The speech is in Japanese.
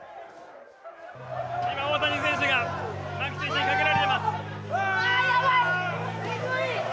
今、大谷選手が牧選手にかけられています。